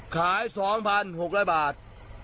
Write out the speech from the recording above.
ขาย๒๖๐๐บาท